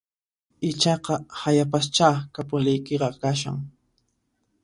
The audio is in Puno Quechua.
Ichaqa hayapaschá kapuliykiqa kashan